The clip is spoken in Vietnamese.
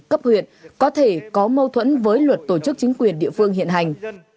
cấp huyện có thể có mâu thuẫn với luật tổ chức chính quyền địa phương hiện hành